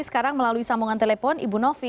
sekarang melalui sambungan telepon ibu novi